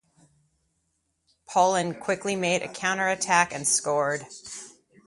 Poland quickly made a counterattack and scored.